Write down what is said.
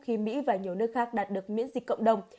khi mỹ và nhiều nước khác đạt được miễn dịch cộng đồng